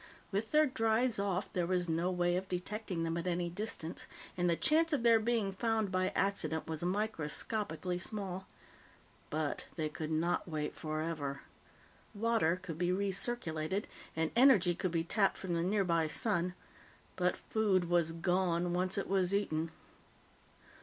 With their drives off, there was no way of detecting them at any distance, and the chance of their being found by accident was microscopically small. But they could not wait forever. Water could be recirculated, and energy could be tapped from the nearby sun, but food was gone once it was eaten.